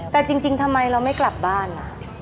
แต่จริงทำไมเราไม่กลับบ้านล่ะ